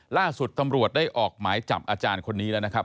ล่าสุดตำรวจได้ออกหมายจับอาจารย์คนนี้แล้วนะครับ